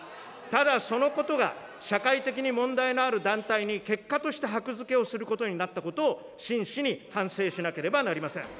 ただ、そのことが、社会的に問題のある団体に結果としてはく付けをすることになったことを、真摯に反省しなければなりません。